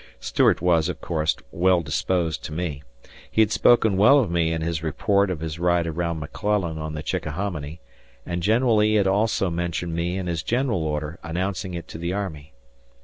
Stuart was, of course, well disposed to me. He had spoken well of me in his report of his ride around McClellan on the Chickahominy, and General Lee had also mentioned me in his general order announcing it to the army.